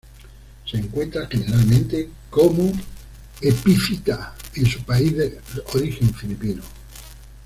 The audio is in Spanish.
Se encuentra generalmente como epífita en su país de origen filipino.